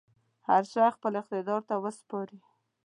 هغه شی خپل حقدار ته وسپاري.